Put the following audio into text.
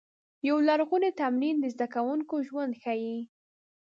یو لرغونی تمرین د زده کوونکو ژوند ښيي.